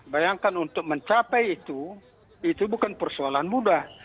bayangkan untuk mencapai itu itu bukan persoalan mudah